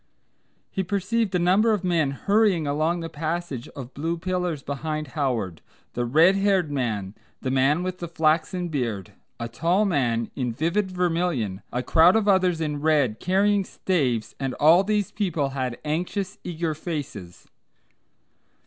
He perceived a number of men hurrying along the passage of blue pillars behind Howard, the red haired man, the man with the flaxen beard, a tall man in vivid vermilion, a crowd of others in red carrying staves, and all these people had anxious eager faces.